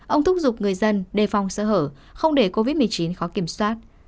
ông thúc giục người dân đề phòng sơ hở không để covid một mươi chín khó kiểm soát